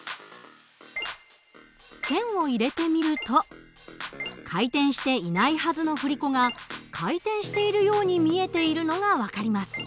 線を入れてみると回転していないはずの振り子が回転しているように見えているのが分かります。